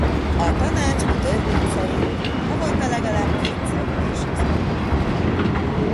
A Tanács a törvény szerint havonta legalább kétszer ülésezik.